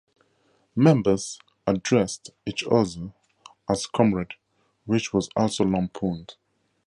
Members addressed each other as 'comrade', which was also lampooned.